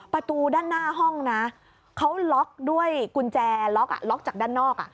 ประตูด้านหน้าห้องนะเขาล็อกด้วยกุญแจล็อกล็อกจากด้านนอก